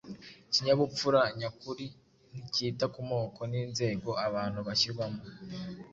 Ikinyabupfura nyakuri nticyita ku moko n’inzego abantu bashyirwamo.